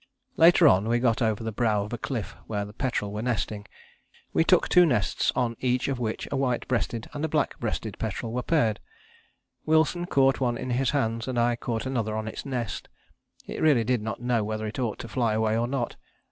Later on we got over the brow of a cliff where the petrel were nesting. We took two nests, on each of which a white breasted and a black breasted petrel were paired. Wilson caught one in his hands and I caught another on its nest; it really did not know whether it ought to fly away or not.